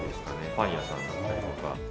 パン屋さんだったりとか。